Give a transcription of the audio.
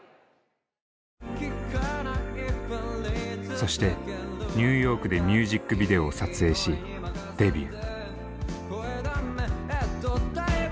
そしてニューヨークでミュージックビデオを撮影しデビュー。